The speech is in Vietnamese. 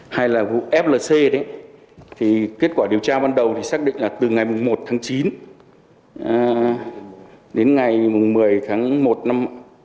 hay là vụ flc đấy thì kết quả điều tra ban đầu thì xác định là từ ngày một tháng chín đến ngày một mươi tháng một năm hai nghìn một mươi chín